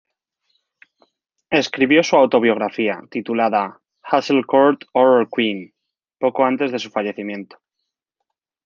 Escribió su autobiografía, titulada "Hazel Court Horror Queen", poco antes de su fallecimiento.